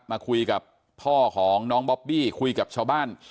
มาคุยกับพ่อของน้องบอบบี้คุยกับชาวบ้าน